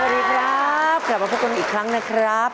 สวัสดีครับกลับมาพบกันอีกครั้งนะครับ